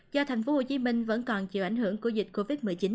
do thành phố hồ chí minh vẫn còn chịu ảnh hưởng của dịch covid một mươi chín